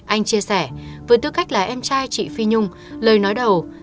anh chia sẻ với tư cách là em trai chị phi nhung lời nói đầu